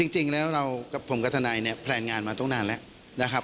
จริงแล้วเรากับผมกับทนายเนี่ยแพลนงานมาตั้งนานแล้วนะครับ